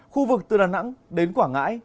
khu vực từ đà nẵng đến quảng ngãi